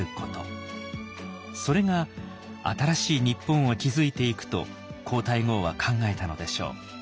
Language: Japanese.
それが新しい日本を築いていくと皇太后は考えたのでしょう。